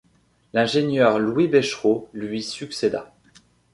L’ingénieur Louis Béchereau lui succéda.